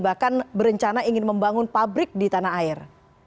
bahkan berencana ingin membangun pabrik di tanah air